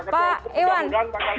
pak iwan dan juga pak sanul